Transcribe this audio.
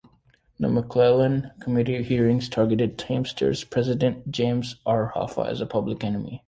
The McClellan Committee hearings targeted Teamsters president James R. Hoffa as a public enemy.